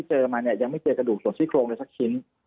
เจอมาเนี่ยยังไม่เจอกระดูกส่วนซี่โครงเลยสักชิ้น